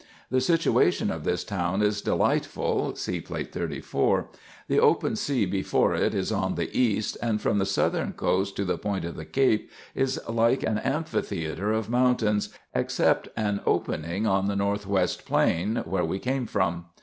The situation of this town is delightful (See Plate 34). The open sea before it is on the east, and from the southern coast to the point of the cape is like an am phitheatre of mountains, except an opening on the north west plain, where we came from.